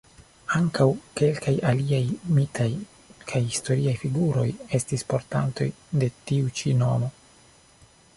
Ankaŭ kelkaj aliaj mitaj kaj historiaj figuroj estis portantoj de tiu ĉi nomo.